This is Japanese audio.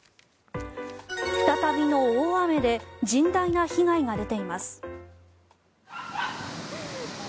再びの大雨で甚大な被害が出ています。